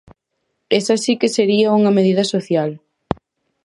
Esa si que sería unha medida social.